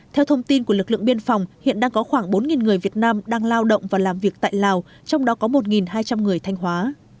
theo thông tin của lực lượng biên phòng hiện đang có khoảng bốn người việt nam đang lao động và làm việc tại lào trong đó có một hai trăm linh người thanh hóa